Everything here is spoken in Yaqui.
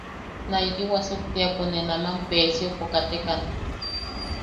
Naiki wasuktiapo ne naman Peesiopo katekan.